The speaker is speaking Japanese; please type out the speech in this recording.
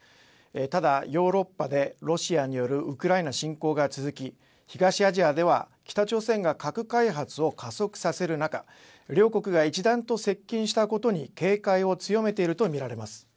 ただヨーロッパでロシアによるウクライナ侵攻が続き東アジアでは北朝鮮が核開発を加速させる中、両国が一段と接近したことに警戒を強めていると見られます。